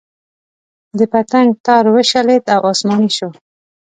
د پتنګ تار وشلېد او اسماني شو.